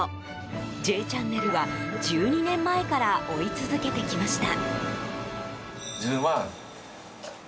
「Ｊチャンネル」は１２年前から追い続けてきました。